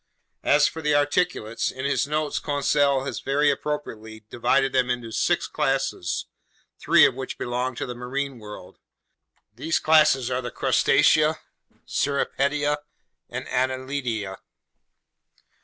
As for the articulates, in his notes Conseil has very appropriately divided them into six classes, three of which belong to the marine world. These classes are the Crustacea, Cirripedia, and Annelida.